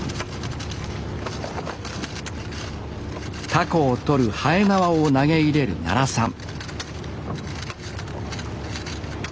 タコを取るはえなわを投げ入れる奈良さん